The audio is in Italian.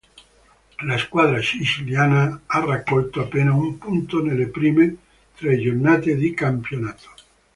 La squadra siciliana ha raccolto appena un punto nelle prime tre giornate di campionato.